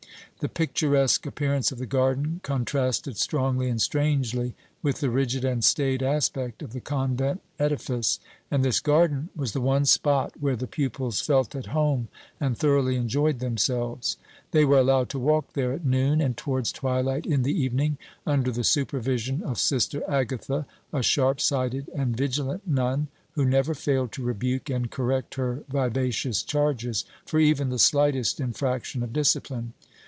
The picturesque appearance of the garden contrasted strongly and strangely with the rigid and staid aspect of the convent edifice, and this garden was the one spot where the pupils felt at home and thoroughly enjoyed themselves. They were allowed to walk there at noon and towards twilight in the evening, under the supervision of Sister Agatha, a sharp sighted and vigilant nun, who never failed to rebuke and correct her vivacious charges for even the slightest infraction of discipline.